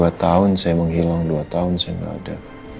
dua tahun saya menghilang dua tahun saya tidak ada